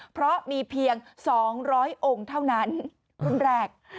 เพราะมีเพียง๒๐๐องค์เท่านั้นรุ่นแรก